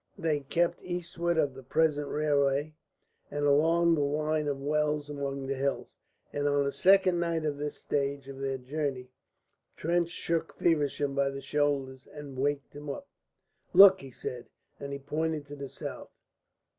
They kept eastward of the present railway and along the line of wells among the hills. And on the second night of this stage of their journey Trench shook Feversham by the shoulders and waked him up. "Look," he said, and he pointed to the south.